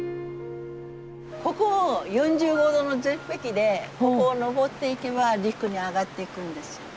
ここ４５度の絶壁でここを登っていけば陸に上がっていくんです。